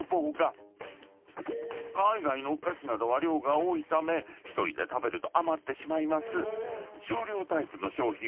［海外のお菓子などは量が多いため１人で食べると余ってしまいます］